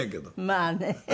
まあね。